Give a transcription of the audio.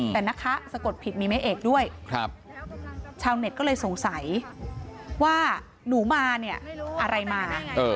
แต่นะคะสะกดผิดมีแม่เอกด้วยชาวเน็ตก็เลยสงสัยว่าหนูมาเนี่ยอะไรมา